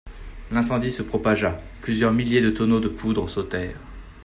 L'incendie se propagea ; plusieurs milliers de tonneaux de poudre sautèrent.